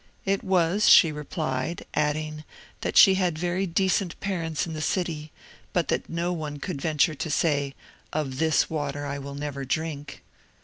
It was, she replied—adding, that she had very decent parents in the city, but that no one could venture to say, "Of this water I will never drink."